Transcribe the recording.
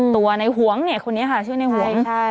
ตัวในหวงเนี่ยคนนี้ค่ะชื่อในหวง